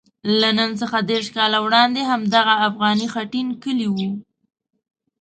له نن څخه دېرش کاله وړاندې همدغه افغاني خټین کلی وو.